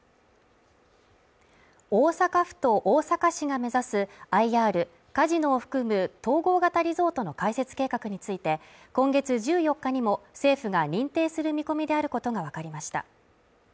大阪府と大阪市が目指すＩＲ＝カジノを含む統合型リゾートの開設計画について、今月１４日にも政府が認定する見込みであることがわかりました。